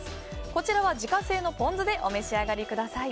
こちらは自家製のポン酢でお召し上がりください。